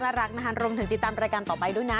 มาหันลงถึงติดตามรายการต่อไปด้วยนะ